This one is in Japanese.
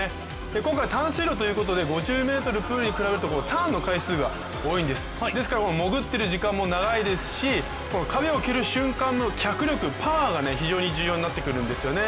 今回、短水路ということで５０ｍプールに比べるとターンの回数が多くて潜っている時間も長いですし、壁を蹴る瞬間の脚力パワーが非常に重要になってくるんですよね。